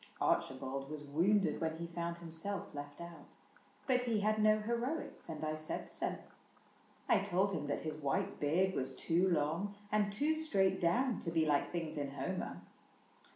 Archibald Was wounded when he found himself left out, But he had no heroics, and I said so : I told him that his white beard was too long And too straight down to be like things in Homer.